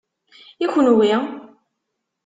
I kenwi?